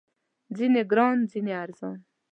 ځینې ګران، ځینې ارزان